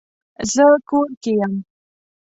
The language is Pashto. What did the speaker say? زه کور کې یم